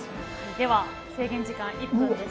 では制限時間１分です。